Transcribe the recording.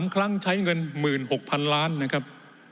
๓ครั้งใช้เงิน๑๖๐๐๐ล้านนะครับ